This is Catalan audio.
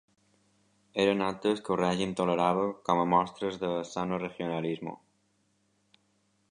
Eren actes que el règim tol·lerava com a mostres de «sano regionalismo».